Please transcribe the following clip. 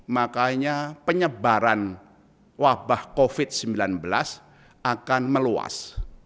makanya penyebaran wabah covid sembilan belas akan meluas